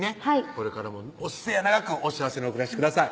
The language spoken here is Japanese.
これからも末永くお幸せにお暮らしください